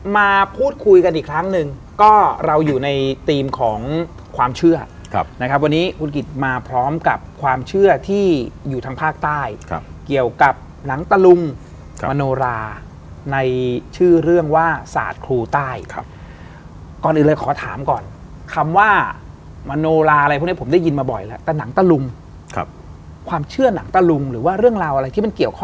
มาพูดคุยกันอีกครั้งหนึ่งก็เราอยู่ในธีมของความเชื่อนะครับวันนี้คุณกิจมาพร้อมกับความเชื่อที่อยู่ทางภาคใต้เกี่ยวกับหนังตะลุงมโนราในชื่อเรื่องว่าศาสตร์ครูใต้ครับก่อนอื่นเลยขอถามก่อนคำว่ามโนราอะไรพวกนี้ผมได้ยินมาบ่อยแล้วแต่หนังตะลุงครับความเชื่อหนังตะลุงหรือว่าเรื่องราวอะไรที่มันเกี่ยวข้อ